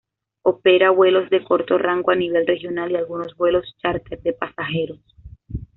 Opera vuelos de corto rango a nivel regional y algunos vuelos chárter de pasajeros.